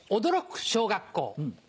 驚く小学校。